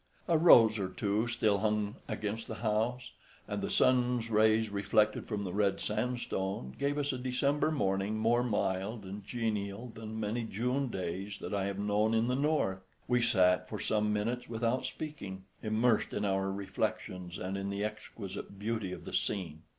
A rose or two still hung against the house, and the sun's rays reflected from the red sandstone gave us a December morning more mild and genial than many June days that I have known in the north. We sat for some minutes without speaking, immersed in our own reflections and in the exquisite beauty of the scene.